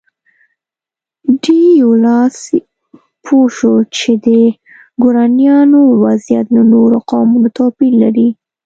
ډي ایولاس پوه شو چې د ګورانیانو وضعیت له نورو قومونو توپیر لري.